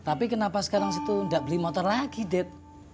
tapi kenapa sekarang sih tuh gak beli motor lagi dad